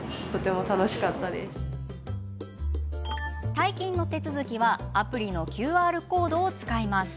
退勤の手続きはアプリのＱＲコードを使います。